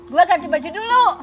gue ganti baju dulu